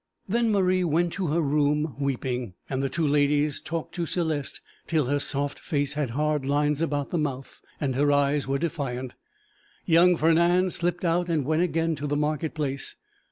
Then Marie went to her room weeping, and the two ladies talked to Céleste till her soft face had hard lines about the mouth and her eyes were defiant. Young Fernand slipped out and went again to the market place.